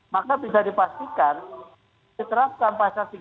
maka bisa dipastikan diterapkan pasal tiga ratus enam puluh dua